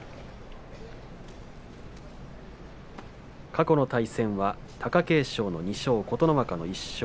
過去の対戦は貴景勝の２勝琴ノ若の１勝。